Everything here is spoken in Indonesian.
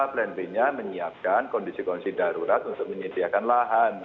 plan b nya menyiapkan kondisi kondisi darurat untuk menyediakan lahan